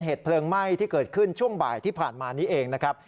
เหตุเพลิงไหม้ที่เกิดขึ้นช่วงบ่ายที่ผ่านมานี้เองนะครับ